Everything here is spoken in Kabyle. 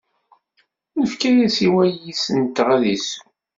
Nefka-as i wayis-nteɣ ad isew.